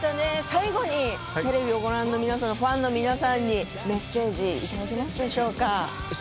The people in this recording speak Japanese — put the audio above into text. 最後にテレビをご覧の皆さんファンの皆さんにメッセージをいただけますでしょうか。